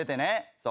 そう。